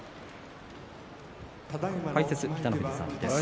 解説は北の富士さんです。